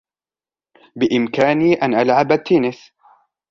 بإمكاني أن ألعب التنس.